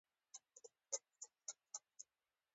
ایا بدلون ته چمتو یاست؟